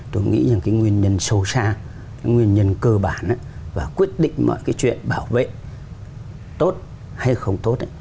tôi nghĩ rằng cái nguyên nhân sâu xa cái nguyên nhân cơ bản và quyết định mọi cái chuyện bảo vệ tốt hay không tốt